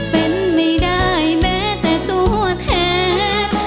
เป็นไม่ได้แม้แต่ตัวแทน